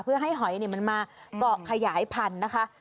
เพื่อให้หอยมันมาเกาะขยายพันธุ์นะคะ